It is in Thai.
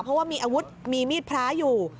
เพราะว่ามีอาวุธมีมีดพระอยู่